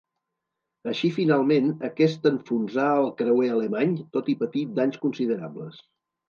Així finalment aquest enfonsà el creuer alemany tot i patir danys considerables.